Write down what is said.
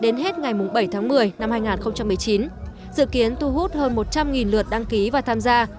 đến hết ngày bảy tháng một mươi năm hai nghìn một mươi chín dự kiến thu hút hơn một trăm linh lượt đăng ký và tham gia